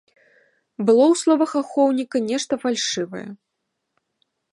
Было ў словах ахоўніка нешта фальшывае.